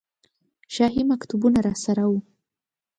شاهي مکتوبونه راسره وو.